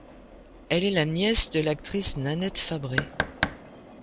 Elle est la nièce de l'actrice Nanette Fabray.